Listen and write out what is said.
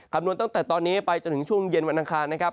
คำนวณตั้งแต่ตอนนี้ไปจนถึงช่วงเย็นวันอังคารนะครับ